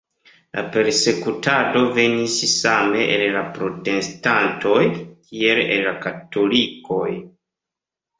La persekutado venis same el la protestantoj, kiel el la katolikoj.